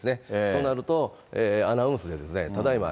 となると、アナウンスで、ただいま